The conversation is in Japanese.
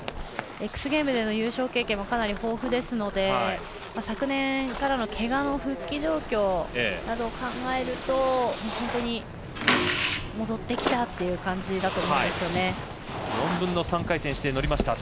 Ｘゲームズでの優勝経験もかなり豊富ですので昨年からのけがの復帰状況などを考えると、本当に戻ってきた！という感じだと思いますね。